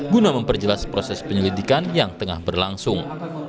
guna memperjelas proses penyelidikan yang tengah berlangsung